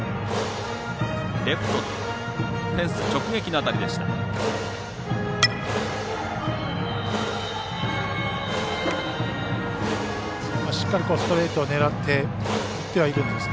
レフトフェンス直撃の当たりでした。